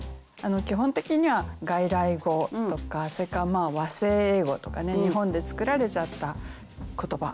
基本的には外来語とかそれから和製英語とかね日本で作られちゃった言葉っていうのもありますけれども。